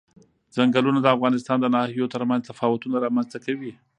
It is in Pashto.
چنګلونه د افغانستان د ناحیو ترمنځ تفاوتونه رامنځ ته کوي.